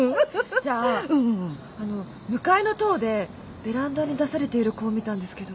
じゃああの向かいの棟でベランダに出されている子を見たんですけど。